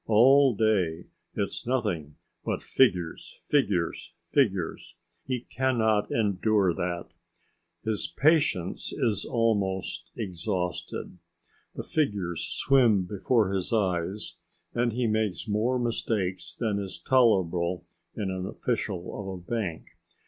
All day it's nothing but figures, figures, figures. He cannot endure that. His patience is almost exhausted; the figures swim before his eyes, and he makes more mistakes than is tolerable in an official of a bank.